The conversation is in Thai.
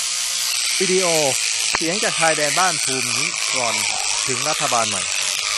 วีดีโอ : เสียงจากชายแดนบ้านภูมิซรอลถึงรัฐบาลใหม่